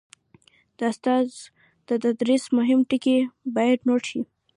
د استاد د تدریس مهم ټکي باید نوټ شي.